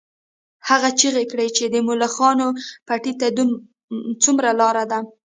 هغې چیغه کړه چې د ملخانو پټي ته څومره لار ده